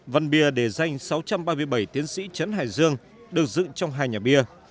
văn bia để danh sáu trăm ba mươi bảy tiến sĩ trấn hải dương được dựng trong hai nhà bia